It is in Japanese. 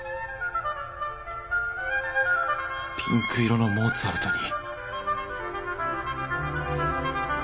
ピンク色のモーツァルトに